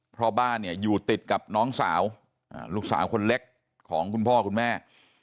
เพราะบ้านเนี่ยอยู่ติดกับน้องสาวลูกสาวคนเล็กของคุณพ่อคุณแม่